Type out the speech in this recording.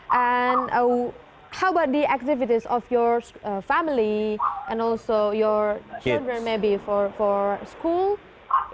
dan bagaimana aktivitas keluarga anda dan juga anak anak anda mungkin untuk sekolah